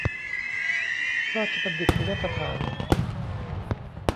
ราชบัญฑิตยสถาน